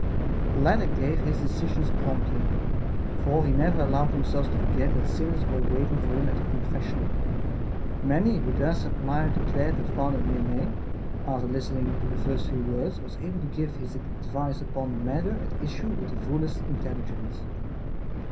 The latter gave his decisions promptly, for he never allowed himself to forget that sinners were waiting for him at his confessional. Many who thus applied declared that Father Vianney, after listening to the first few words, was able to give his advice upon the matter at issue with the fullest intelligence.